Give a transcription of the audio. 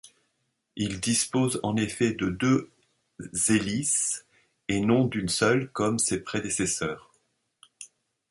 Il dispose en effet de deux hélices, et non d'une seule comme ses prédécesseurs.